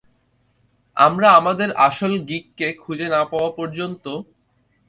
আমরা আমাদের আসল গিককে খুঁজে না পাওয়া পর্যন্ত।